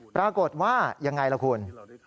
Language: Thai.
ปรากฏว่ายังไงล่ะคุณ